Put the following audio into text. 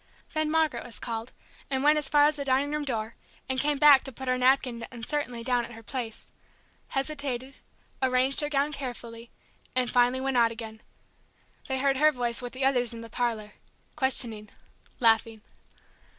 Then Margaret was called, and went as far as the dining room door, and came back to put her napkin uncertainly down at her place, hesitated, arranged her gown carefully, and finally went out again. They heard her voice with the others in the parlor... questioning... laughing.